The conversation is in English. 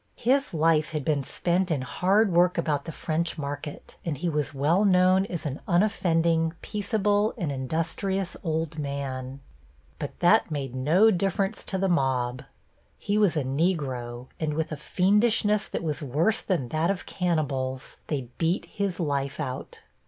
His life had been spent in hard work about the French market, and he was well known as an unoffending, peaceable and industrious old man. But that made no difference to the mob. He was a Negro, and with a fiendishness that was worse than that of cannibals they beat his life out.